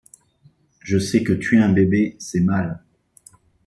Je sais que tuer un bébé, c’est mal.